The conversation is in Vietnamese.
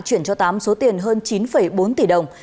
chuyển cho tám số tiền hơn chín bốn tỷ đồng